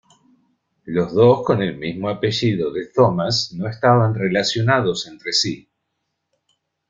Los dos con el mismo apellido de Thomas no estaban relacionados entre sí.